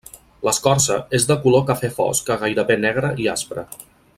L'escorça és de color cafè fosc a gairebé negra i aspra.